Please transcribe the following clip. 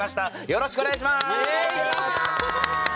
よろしくお願いします。